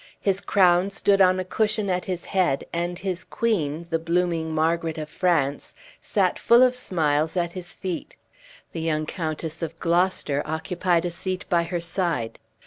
His crown stood on a cushion at his head, and his queen, the blooming Margaret of France, sat full of smiles at his feet. The young Countess of Gloucester occupied a seat by her side.